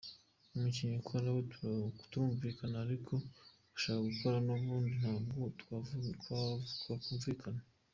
Umukinnyi ukora we turumvikana ariko udashaka gukora n’ubundi ntabwo twakumvikana.